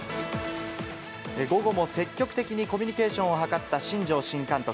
午後も積極的にコミュニケーションを図った新庄新監督。